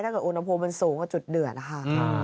ถ้าเกิดอุณหภูมิมันสูงกว่าจุดเหนือนะคะ